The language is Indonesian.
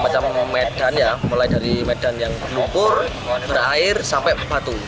banyak macam medan ya mulai dari medan yang berlumpur berair sampai berbatu